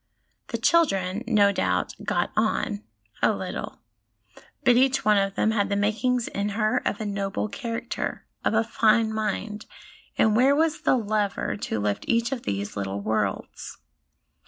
The children, no doubt, 'got on' a little ; but each one of them had the makings in her of a noble character, of a fine mind, and where was the lever to lift each of these little worlds